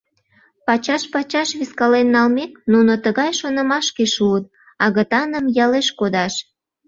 Пачаш-пачаш вискален налмек, нуно тыгай шонымашке шуыт: агытаным ялеш кодаш.